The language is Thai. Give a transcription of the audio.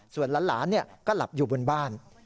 ส่วนหลานก็หลับอยู่บนบ้าน